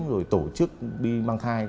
rồi tổ chức đi mang thai